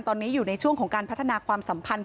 ตอนนี้อยู่ในช่วงของการพัฒนาความสัมพันธ